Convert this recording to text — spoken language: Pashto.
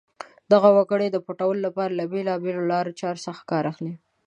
دغه وګړي د پټولو لپاره له بېلابېلو لارو څخه کار اخلي.